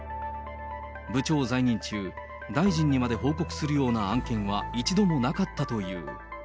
部長在任中、大臣にまで報告するような案件は一度もなかったという。